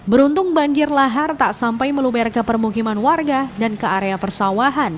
beruntung banjir lahar tak sampai meluber ke permukiman warga dan ke area persawahan